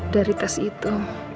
dari tes itu